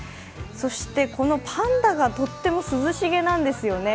そして、このパンダがとっても涼しげなんですよね。